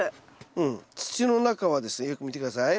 うん土の中はですねよく見て下さい。